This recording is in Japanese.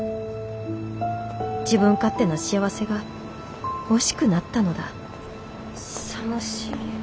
自分勝手な幸せが惜しくなったのださもしい。